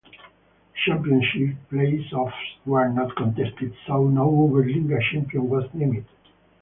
The championship playoffs were not contested so no Oberliga champion was named.